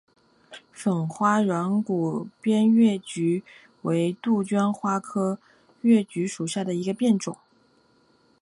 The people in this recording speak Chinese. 粉花软骨边越桔为杜鹃花科越桔属下的一个变种。